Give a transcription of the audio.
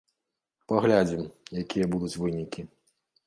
Паглядзім, якія будуць вынікі.